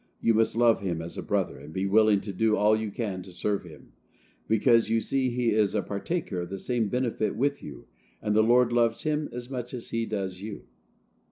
You must love him as a brother, and be willing to do all you can to serve him; because you see he is a partaker of the same benefit with you, and the Lord loves him as much as he does you."